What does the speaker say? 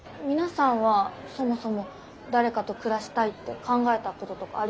皆さんはそもそも誰かと暮らしたいって考えたこととかあります？